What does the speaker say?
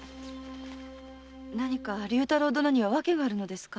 何か竜太郎殿には訳があるのですか？